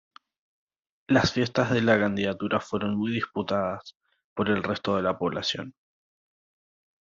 Las fiestas de la candidatura fueron muy disputadas por el resto de la población.